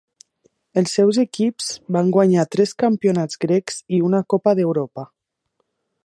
Els seus equips van guanyar tres campionats grecs i una Copa d'Europa.